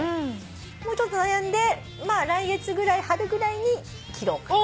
もうちょっと悩んでまあ来月ぐらい春ぐらいに切ろうかなと。